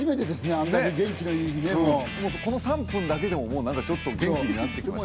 あんなに元気のいいもうこの３分だけでもちょっと元気になってきますね